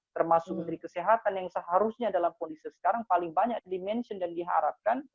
termasuk menteri kesehatan yang seharusnya dalam kondisi sekarang paling banyak dimention dan diharapkan